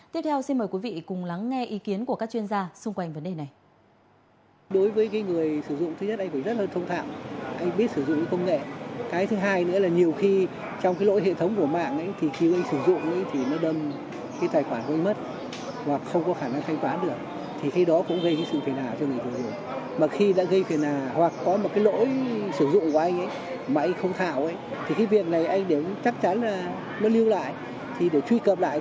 tiếp theo xin mời quý vị cùng lắng nghe ý kiến của các chuyên gia xung quanh vấn đề này